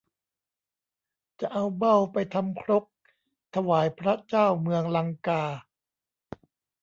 จะเอาเบ้าไปทำครกถวายพระเจ้าเมืองลังกา